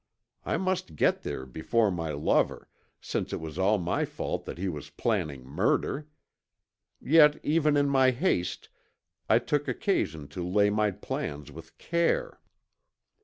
I must get there before my lover, since it was all my fault that he was planning murder. Yet even in my haste I took occasion to lay my plans with care.